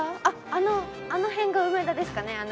あっあの辺が梅田ですかね？